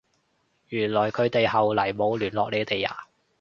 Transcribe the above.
原來佢哋後來冇聯絡你哋呀？